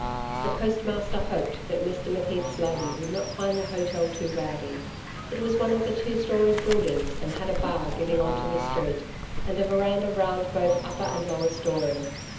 The Postmaster hoped that Mr McKeith's lady would not find the hotel too rowdy. It was one of the two storied buildings, and had a bar giving onto the street, and a veranda round both upper and lower storey.